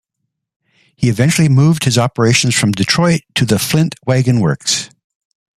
He eventually moved his operations from Detroit to the Flint Wagon Works.